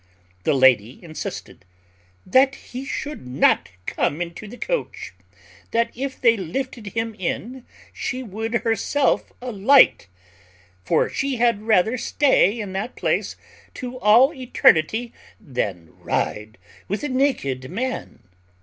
The lady insisted, "That he should not come into the coach. That if they lifted him in, she would herself alight: for she had rather stay in that place to all eternity than ride with a naked man."